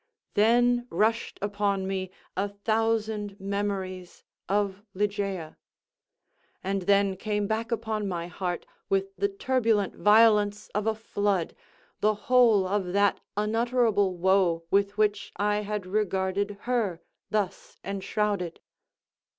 Then rushed upon me a thousand memories of Ligeia—and then came back upon my heart, with the turbulent violence of a flood, the whole of that unutterable woe with which I had regarded her thus enshrouded.